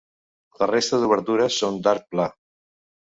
La resta d'obertures són d'arc pla.